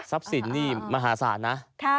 ทรัพย์สินมหาศาลนะ